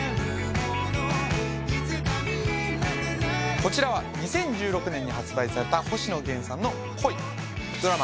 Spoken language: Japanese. こちらは２０１６年に発売された星野源さんの「恋」ドラマ